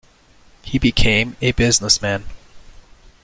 He became a businessman.